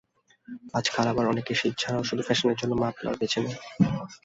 আজকাল আবার অনেকে শীত ছাড়াও শুধু ফ্যাশনের জন্য মাফলার বেছে নেন।